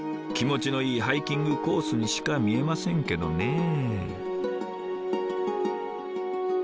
気持ちのいいハイキングコースにしか見えませんけどねえ。